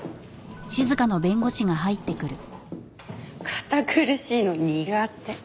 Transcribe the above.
堅苦しいの苦手。